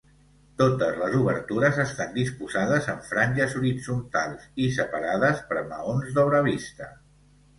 Totes les obertures estan disposades en franges horitzontals i separades per maons d'obra vista.